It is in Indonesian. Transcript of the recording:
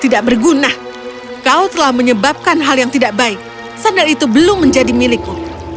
tidak berguna kau telah menyebabkan hal yang tidak baik sandal itu belum menjadi milikmu